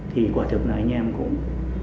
thì quả thực là anh em cũng